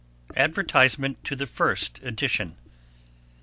ADVERTISEMENT TO THE FIRST EDITION.